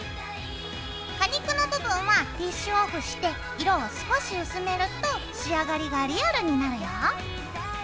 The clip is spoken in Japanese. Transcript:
果肉の部分はティッシュオフして色を少し薄めると仕上がりがリアルになるよ。